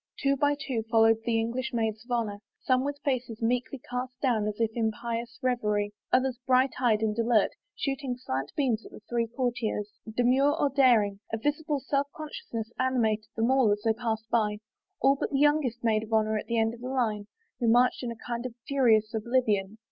Two by two followed the English maids of honor, some with faces meekly cast down as if in pious revery, others 2 THE QUEEN'S REFUSAL bright eyed and alert, shooting slant beams at the three courtiers. Demure or daring, a visible self consciousness animated them all as they passed by, all but the youngest maid of honor at the end of the line, who marched in a kind of furious oblivion.